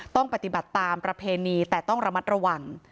ต้องปฏิบัติตามประเพณีแต่ต้องระมัดระวัง